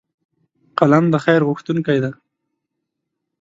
قلم د خیر غوښتونکی دی